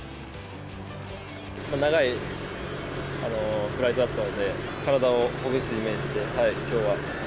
長いフライトだったので、体をほぐすイメージで、きょうは。